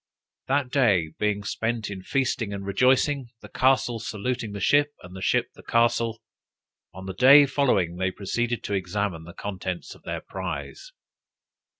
That day being spent in feasting and rejoicing, the castle saluting the ship, and the ship the castle, on the day following they proceeded to examine the contents of their prize.